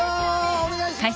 お願いします。